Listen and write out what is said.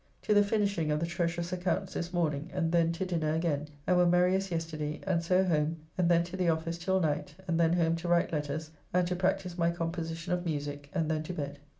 To the finishing of the Treasurer's accounts this morning, and then to dinner again, and were merry as yesterday, and so home, and then to the office till night, and then home to write letters, and to practise my composition of musique, and then to bed.